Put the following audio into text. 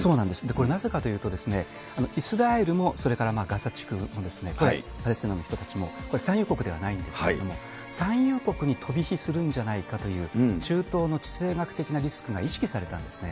これなぜかというと、イスラエルもそれからガザ地区も、パレスチナの人たちも産油国ではないんですけれども、産油国に飛び火するんじゃないかという中東の地政学的なリスクが意識されたんですね。